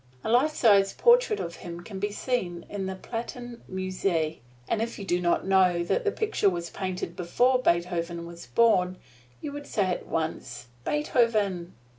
A life size portrait of him can be seen in the Plantin Musee, and if you did not know that the picture was painted before Beethoven was born, you would say at once, "Beethoven!"